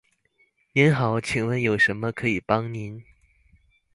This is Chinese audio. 您好，请问有什么可以帮您？